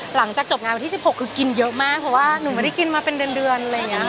หลังจากจบงานไปที่ที่๑๖ก็กินเยอะมากเพราะว่าหนูมาได้กินมาเป็นเดือน